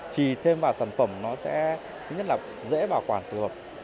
trì thêm vào sản phẩm nó sẽ dễ bảo quản thực hợp